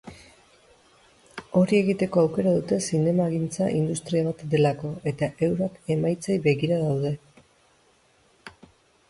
Hori egiteko aukera dute zinemagintza industria bat delako eta eurak emaitzei begira daude.